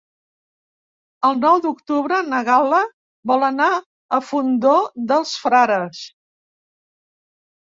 El nou d'octubre na Gal·la vol anar al Fondó dels Frares.